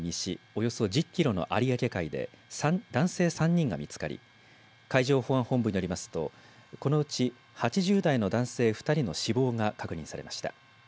およそ１０キロの有明海で男性３人が見つかり海上保安本部によりますとこのうち８０代の男性２人の死亡が確認されました。